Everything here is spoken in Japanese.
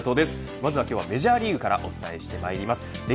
まずはメジャーリーグからお伝えしてまいります。